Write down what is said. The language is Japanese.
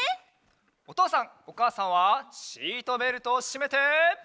おとうさんおかあさんはシートベルトをしめて。